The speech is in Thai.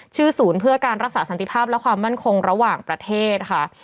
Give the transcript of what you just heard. ศูนย์เพื่อการรักษาสันติภาพและความมั่นคงระหว่างประเทศค่ะ